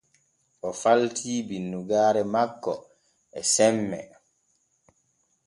O falti binnugaare makko e semmee.